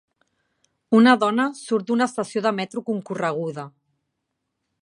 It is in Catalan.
Una dona surt d'una estació de metro concorreguda.